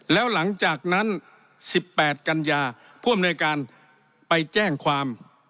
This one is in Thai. แล้วหลังจากนั้น๑๘กันยาผู้อำนวยการไปแจ้งความ